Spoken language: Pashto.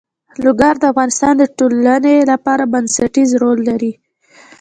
لوگر د افغانستان د ټولنې لپاره بنسټيز رول لري.